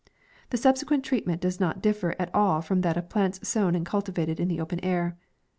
The subsequent treatment does not differ at all from that of plants sown and cultivated in the open air.